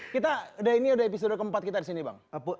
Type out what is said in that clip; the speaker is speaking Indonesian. kita udah ini episode keempat kita disini bang